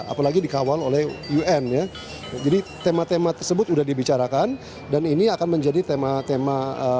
apalagi dikawal oleh un ya jadi tema tema tersebut sudah dibicarakan dan ini akan menjadi tema tema